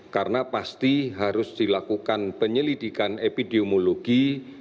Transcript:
karena pasti harus dilakukan penyelidikan epidemiologi